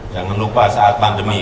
dan jangan lupa saat pandemi